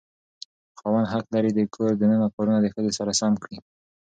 خاوند حق لري د کور دننه کارونه د ښځې سره سم کړي.